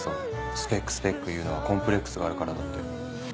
「スペックスペック」言うのはコンプレックスがあるからだって。